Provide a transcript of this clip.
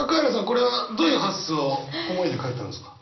これはどういう発想思いで書いたんですか？